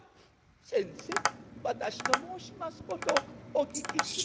「先生私の申しますことお聞き下さいませ」。